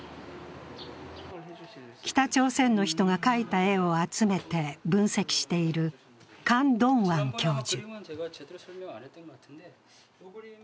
北朝鮮の人が描いた絵を集めて分析しているカン・ドンワン教授。